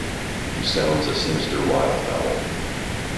He sounds a sinister wild-fowl!